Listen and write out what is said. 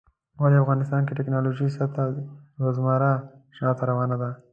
ولی افغانستان کې د ټيکنالوژۍ سطحه روزمره شاته روانه ده